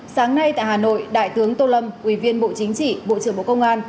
sáng nay tại hà nội đại tướng tô lâm ubnd bộ trưởng bộ công an